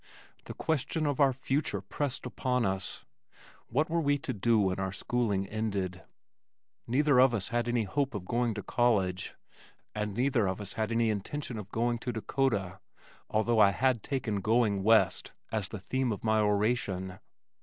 The question of our future pressed upon us. What were we to do when our schooling ended? Neither of us had any hope of going to college, and neither of us had any intention of going to Dakota, although I had taken "Going West" as the theme of my oration.